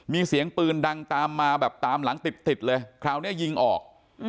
มีเสียงปืนดังตามมาแบบตามหลังติดเลยคราวนี้ยิงออก